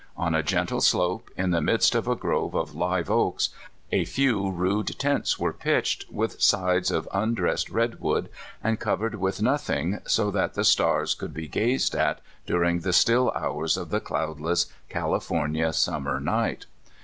On a gentle slope, in the midst of a grove of live oaks, a few rude tents were pitched, with sides of undressed red wood, and covered with nothing, so that the stars could be gazed at during the still hours of the cloudless California summer night.